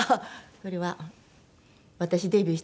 これは私デビューした